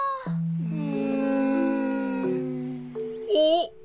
うん。おっ！